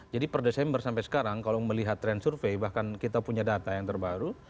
jadi per desember sampai sekarang kalau melihat trend survey bahkan kita punya data yang terbaru